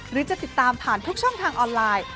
หรือจะติดตามผ่านทุกช่องทางออนไลน์